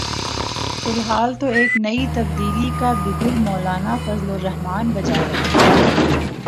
فی الحال تو ایک نئی تبدیلی کا بگل مولانا فضل الرحمان بجا رہے ہیں۔